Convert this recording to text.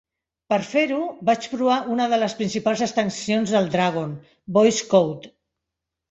Per fer-ho, vaig provar una de les principals extensions del Dragon, Voice Code.